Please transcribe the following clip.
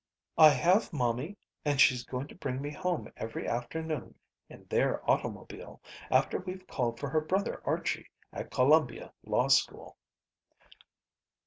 "I have, momie, and she's going to bring me home every afternoon in their automobile after we've called for her brother Archie at Columbia Law School."